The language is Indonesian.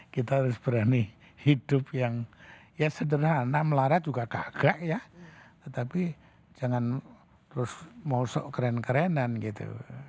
kita harus berani hidup yang ya sederhana melara juga gagak ya tetapi jangan terus mosok keren kerenan gitu